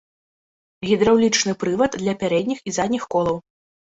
Гідраўлічны прывад для пярэдніх і задніх колаў.